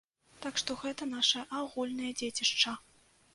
Так што, гэта наша агульнае дзецішча.